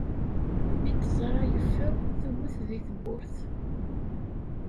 Mi t-teẓra yeffeɣ, tewwet deg tewwurt.